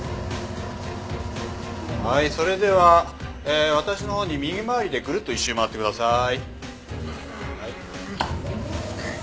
はいそれでは私の方に右回りでぐるっと１周回ってください。